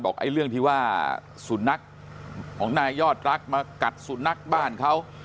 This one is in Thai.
ไอ้เรื่องที่ว่าสุนัขของนายยอดรักมากัดสุนัขบ้านเขา